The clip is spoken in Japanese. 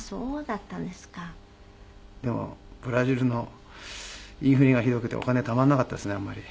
でもブラジルのインフレがひどくてお金たまらなかったですねあんまり。